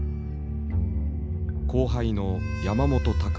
後輩の山本卓眞。